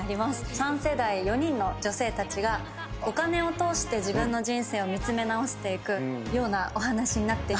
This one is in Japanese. ３世代４人の女性たちがお金を通して自分の人生を見つめ直していくようなお話になってます。